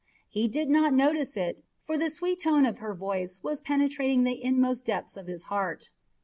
He did not notice it, for the sweet tone of her voice was penetrating the inmost depths of his heart.